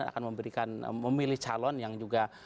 dan akan memilih calon yang juga